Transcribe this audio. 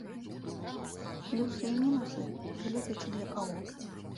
Плюсы і мінусы, гледзячы для каго.